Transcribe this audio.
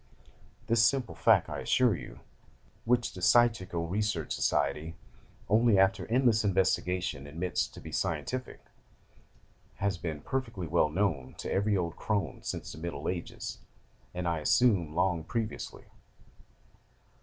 This simple fact, I assure you, which the Psychical Research Society, only after endless investigation, admits to be scientific, has been perfectly well known to every old crone since the Middle Ages, and, I assume, long previously.